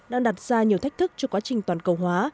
đang đặt ra nhiều thách thức cho quá trình toàn cầu hóa